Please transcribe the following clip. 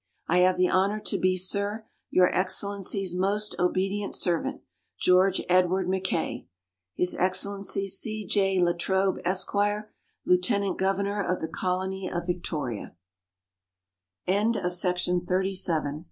I have the honour to be, Sir, Your Excellency's most obedient servant, GEORGE EDWARD MACKAY. His Excellency C. J. La Trobe, Esq., Lieutenant Governor of the Colonv of Victoria. Letters from Victorian Pioneers.